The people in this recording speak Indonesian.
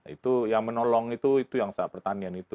itu yang menolong itu yang saat pertanian itu